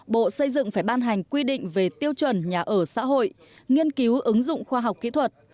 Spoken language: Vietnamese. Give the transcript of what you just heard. bộ xây dựng phải ban hành quy định về tiêu chuẩn nhà ở xã hội nghiên cứu ứng dụng khoa học kỹ thuật